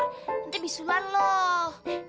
nanti bisular loh